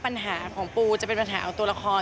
ปัญหาของปูจะเป็นปัญหาเอาตัวละคร